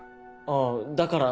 あぁだから。